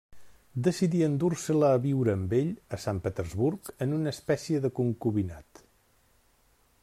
Decidí endur-se-la a viure amb ell a Sant Petersburg, en una espècia de concubinat.